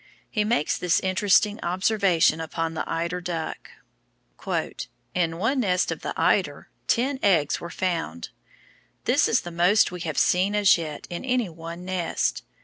He makes this interesting observation upon the Eider duck: "In one nest of the Eider ten eggs were found; this is the most we have seen as yet in any one nest.